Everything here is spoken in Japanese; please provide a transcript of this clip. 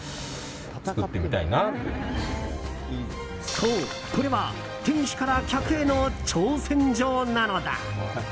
そう、これは店主から客への挑戦状なのだ。